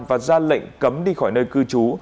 và ra lệnh cấm đi khỏi nơi cư trú